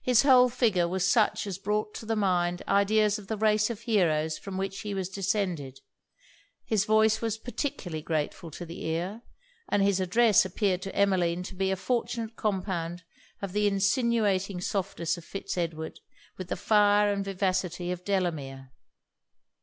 His whole figure was such as brought to the mind ideas of the race of heroes from which he was descended; his voice was particularly grateful to the ear, and his address appeared to Emmeline to be a fortunate compound of the insinuating softness of Fitz Edward with the fire and vivacity of Delamere.